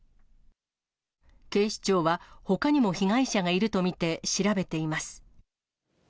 警視庁はほかにも被害者がいると見て、調べています。